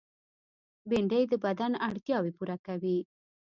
بېنډۍ د بدن اړتیاوې پوره کوي